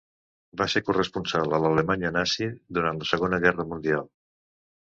Va ser corresponsal a l'Alemanya nazi durant la Segona Guerra Mundial.